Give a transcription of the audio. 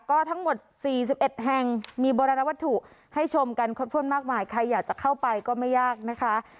ก็ทั้งหมด๔๑แห่งมีบรรณวัตถุให้ชมกันครบถ้วนมากมายใครอยากจะเข้าไปก็ไม่ยากนะคะ